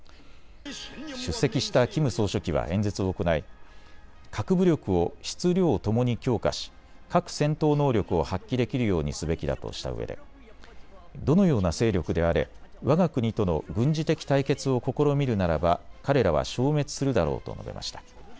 出席したキム総書記は演説を行い核武力を質・量ともに強化し核戦闘能力を発揮できるようにすべきだとしたうえでどのような勢力であれわが国との軍事的対決を試みるならば彼らは消滅するだろうと述べました。